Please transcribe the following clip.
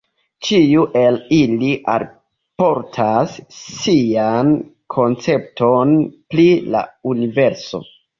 Ĉiu el ili alportas sian koncepton pri la universo.